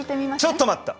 ちょっと待った！